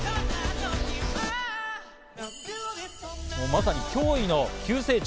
まさに驚異の急成長。